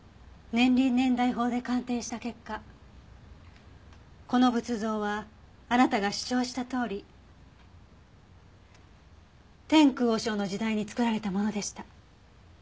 年輪年代法で鑑定した結果この仏像はあなたが主張したとおり天空和尚の時代につくられたものでした。